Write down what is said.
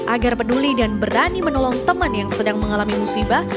agar peduli dan berani menolong teman yang sedang mengalami musibah